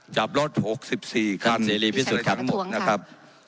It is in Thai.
จับรถหกสิบสี่คันท่านสิริพิสุทธิ์ทั้งหมดนะครับ